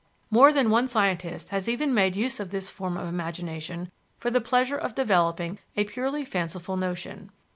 More than one scientist has even made use of this form of imagination for the pleasure of developing a purely fanciful notion.